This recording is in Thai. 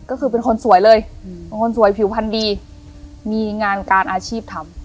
ก็คือเป็นคนสวยเลยเป็นคนสวยผิวพันธุ์ดีมีงานการอาชีพทำ